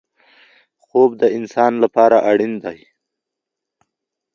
خوب د انسان لپاره اړین دی.